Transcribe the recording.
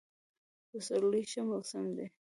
پسرلی ښه موسم دی.